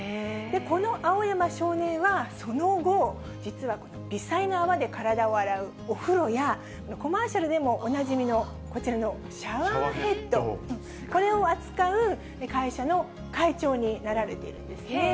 この青山少年はその後、実はこの微細な泡で体を洗うお風呂や、コマーシャルでもおなじみのこちらのシャワーヘッド、これを扱う会社の会長になられているんですね。